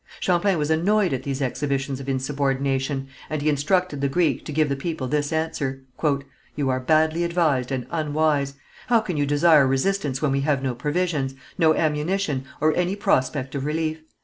Champlain was annoyed at these exhibitions of insubordination, and he instructed the Greek to give the people this answer: "You are badly advised and unwise. How can you desire resistance when we have no provisions, no ammunition, or any prospect of relief?